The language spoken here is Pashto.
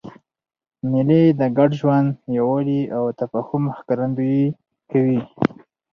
مېلې د ګډ ژوند، یووالي او تفاهم ښکارندویي کوي.